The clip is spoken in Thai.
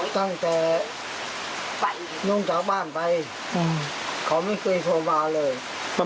ถ้าไม่ทำผิดเขาไม่ว่าหรอกครับ